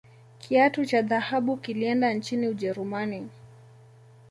kiatu cha dhahabu kilienda nchini ujerumani